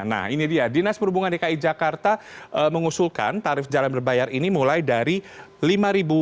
nah ini dia dinas perhubungan dki jakarta mengusulkan tarif jalan berbayar ini mulai dari lima sampai sembilan belas sembilan ratus rupiah